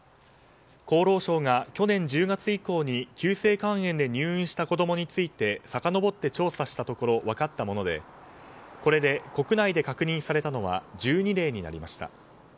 厚労省が去年１０月以降に急性肺炎で入院した子供についてさかのぼって調査したところ分かったものでこれで国内で確認されたのは１２例になりました。